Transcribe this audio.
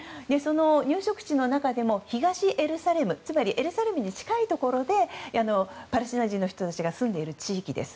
入植地の中でも東エルサレム、つまりエルサレムに近いところでパレスチナ人の人たちが住んでいる地域です。